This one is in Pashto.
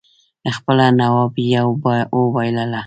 خپله نوابي اوبائلله